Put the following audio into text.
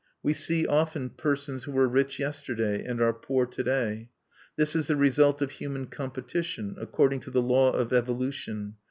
We see often persons who were rich yesterday, and are poor to day. This is the result of human competition, according to the law of evolution.